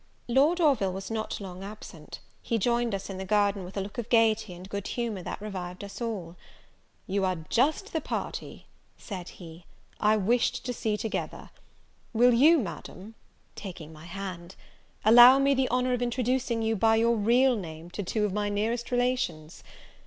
Lord Orville was not long absent: he joined us in the garden with a look of gaiety and good humour that revived us all. "You are just the party," said he, "I wished to see together. Will you, Madam (taking my hand), allow me the honour of introducing you, by your real name, to two of my nearest relations?